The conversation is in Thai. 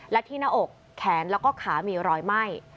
และที่หน้าอกแขนแล้วก็ขามีรอยไหม้